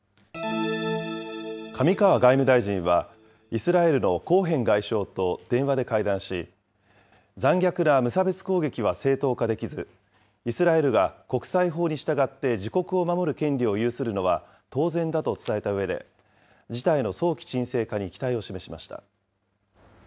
上川外務大臣は、イスラエルのコーヘン外相と電話で会談し、残虐な無差別攻撃は正当化できず、イスラエルが国際法に従って自国を守る権利を有するのは当然だと伝えたうえで、事態の早期沈静化に期待を示しました。